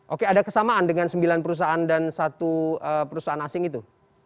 oke ada kesamaan dengan sembilan perusahaan dan satu perusahaan asing itu